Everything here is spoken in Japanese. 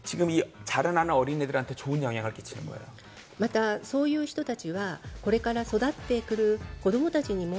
また、そういう人たちはこれから育ってくる子どもたちにも、